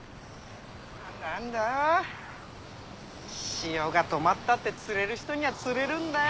潮が止まったって釣れる人には釣れるんだよ。